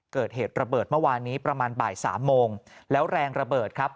เกิดเหตุระเบิดเมื่อวานนี้ประมาณบ่ายสามโมงแล้วแรงระเบิดครับ